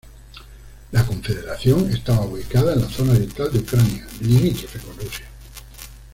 La confederación estaba ubicada en la zona oriental de Ucrania, limítrofe con Rusia.